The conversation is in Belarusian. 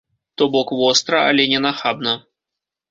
То бок востра, але не нахабна.